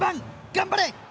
頑張れ！